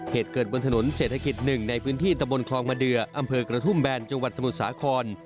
เหตุเกิดบนถนนเศรษฐกิจ๑ในพื้นที่ตะบนคลองมาเดืออำเภอกระทุ่มแบนจังหวัดสมุทรสาคร